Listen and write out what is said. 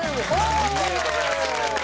ありがとうございます。